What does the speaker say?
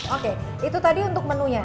oke itu tadi untuk menunya